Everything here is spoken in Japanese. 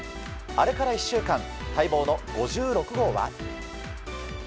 あれから１週間待望の５６号は？